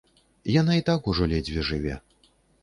Яна і так ужо ледзьве жыве.